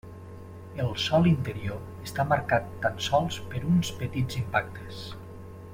El sòl interior està marcat tan sols per uns petits impactes.